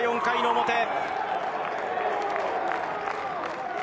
４回の表。